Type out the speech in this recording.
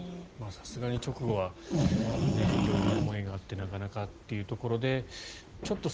さすがに直後は色々な思いがあってなかなかというところでちょっと